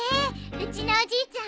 うちのおじいちゃん